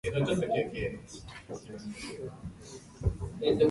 江戸時代には鎖国が行われた。